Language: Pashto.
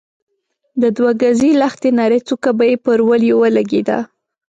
د دوه ګزۍ لښتې نرۍ څوکه به يې پر وليو ولګېده.